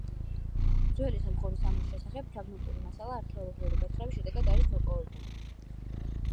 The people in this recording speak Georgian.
ძველი სომხური სამოსის შესახებ ფრაგმენტული მასალა არქეოლოგიური გათხრების შედეგად არის მოპოვებული.